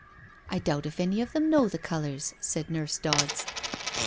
•• I doubt if any of them know the colours," said Nurse Dodds.